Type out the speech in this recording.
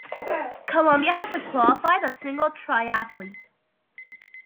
Colombia has qualified a single triathlete.